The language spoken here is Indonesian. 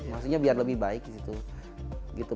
maksudnya biar lebih baik gitu